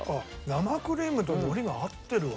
生クリームと海苔が合ってるわ。